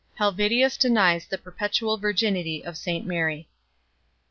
Helvidius denies the perpetual virginity of St Mary.